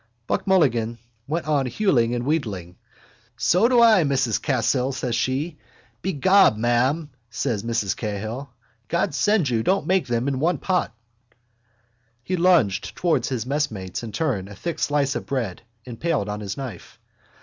Buck Mulligan went on hewing and wheedling: —So I do, Mrs Cahill, says she. Begob, ma'am, says Mrs Cahill, God send you don't make them in the one pot. He lunged towards his messmates in turn a thick slice of bread, impaled on his knife.